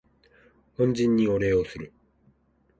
恩人にお礼をする